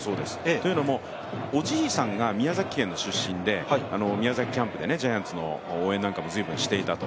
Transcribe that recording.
というのもおじいさんが宮崎県の出身で宮崎キャンプでジャイアンツの応援なんかもよくしていたと。